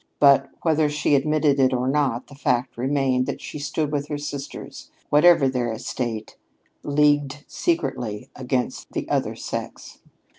But whether she admitted it or not, the fact remained that she stood with her sisters, whatever their estate, leagued secretly against the other sex.